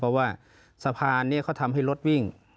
เพราะว่าสะพานนี้เขาทำให้รถวิ่ง